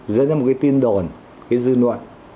dẫn ra một cái tin đồn cái dư luận